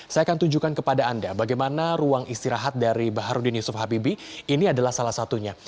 saya akan tunjukkan kepada anda bagaimana ruang istirahat dari baharudin yusuf habibie ini adalah salah satunya